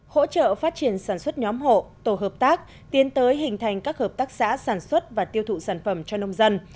hỗ trợ phát triển sản xuất nhóm hộ tổ hợp tác tiến tới hình thành các hợp tác xã sản xuất và tiêu thụ sản phẩm cho nông dân